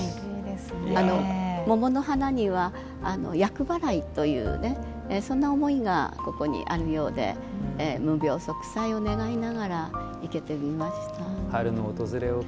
桃の花には厄払いというそんな思いがここにあるようで無病息災を願いながら生けてみました。